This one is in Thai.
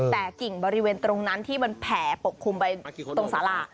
แต่กิ่งบริเวณตรงนั้นที่มันแผ่ปกคลุมไปตรงสารา